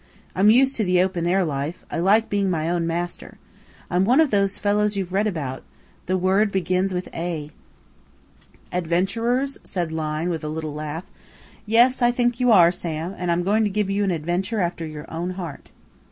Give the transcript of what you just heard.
I'm used to the open air life; I like being my own master. I'm one of those fellows you've read about the word begins with A." [Footnote A: Detective.] "Adventurers?" said Lyne with a little laugh. "Yes, I think you are, Sam, and I'm going to give you an adventure after your own heart."